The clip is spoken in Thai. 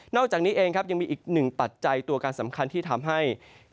อกจากนี้เองครับยังมีอีกหนึ่งปัจจัยตัวการสำคัญที่ทำให้